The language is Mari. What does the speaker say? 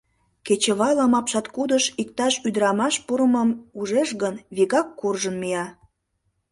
Кечывалым апшаткудыш иктаж ӱдырамаш пурымым ужеш гын, вигак куржын мия.